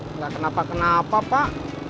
enggak kenapa kenapa pak